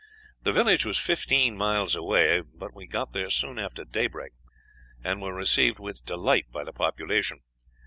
The village was fifteen miles away, but we got there soon after daybreak, and were received with delight by the population.